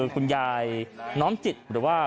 คุณยายน้อมจิตหรือว่า